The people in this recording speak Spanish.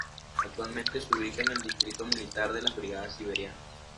Actualmente se ubica el distrito militar de las brigadas siberianas.